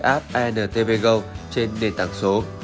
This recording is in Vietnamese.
app antv go trên nền tảng số